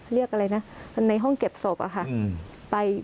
เรียกอะไรนะในห้องเก็บศพอะค่ะ